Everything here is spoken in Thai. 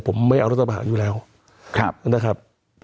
ผมไม่เอารัฐบาลอยู่แล้วนะครับ